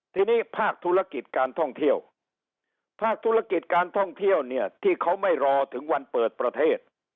ทีนี้ภาคธุรกิจการท่องเที่ยวภาคธุรกิจการท่องเที่ยวเนี่ยที่เขาไม่รอถึงวันเปิดประเทศ